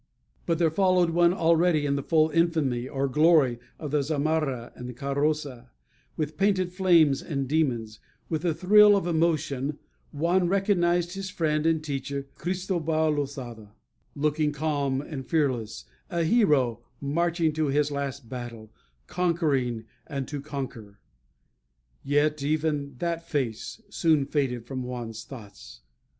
But there followed one already in the full infamy, or glory, of the zamarra and carroza, with painted flames and demons; with a thrill of emotion, Juan recognized his friend and teacher, Cristobal Losada looking calm and fearless a hero marching to his last battle, conquering and to conquer. Yet even that face soon faded from Juan's thoughts.